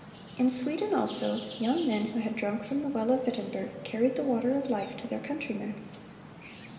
In Sweden, also, young men who had drunk from the well of Wittenberg carried the water of life to their countrymen.